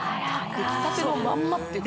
出来たてのまんまっていう感じ